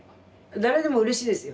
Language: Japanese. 誰でもうれしいですよ。